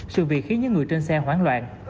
sự việc khiến những người trên xe hoảng loạn